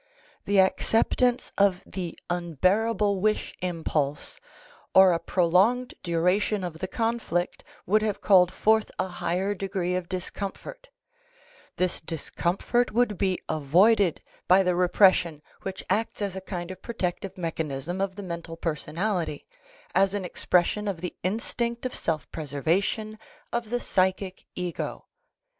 The acceptance of the unbearable wish impulse or a prolonged duration of the conflict would have called forth a higher degree of discomfort; this discomfort would be avoided by the repression which acts as a kind of protective mechanism of the mental per sonality, as an expression of the instinct of self preservation of the psychic ego.